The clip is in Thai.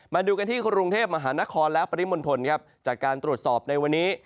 มาดูกันที่กรุงเทพมหานครและปริมณฑลครับจากการตรวจสอบในวันนี้